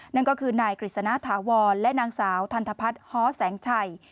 นั่นก็คือนายกฤษณะถาวรและนางสาวทันทพัฒน์ฮ้อแสงชัย